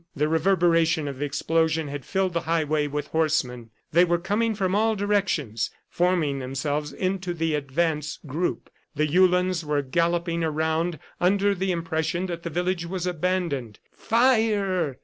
... The reverberation of the explosion had filled the highway with horsemen. They were coming from all directions, forming themselves into the advance group. The Uhlans were galloping around under the impression that the village was abandoned. "Fire!"